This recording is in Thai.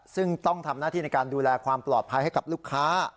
ซึ่งต้องทำหน้าที่ในการดูแลความปลอดภัยให้กับลูกค้า